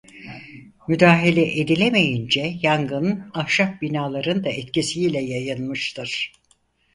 Müdahale edilemeyince yangın ahşap binaların da etkisiyle yayılmıştır.